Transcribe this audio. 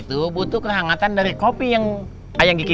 untuk memberi saran saran kepada anak